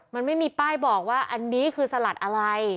มันไม่มีป้ายบอกว่าอันนี้คือสลัดอะไร